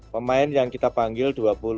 pemain yang kita panggil dua puluh